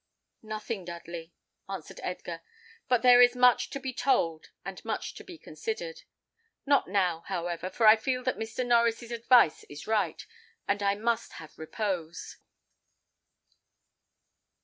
"Nothing, Dudley," answered Edgar; "but there is much to be told and much to be considered. Not now, however, for I feel that Mr. Norries's advice is right, and I must have repose."